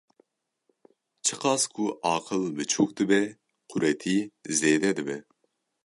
Çi qas ku aqil biçûk dibe, quretî zêde dibe.